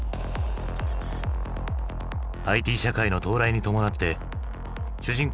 ＩＴ社会の到来に伴って主人公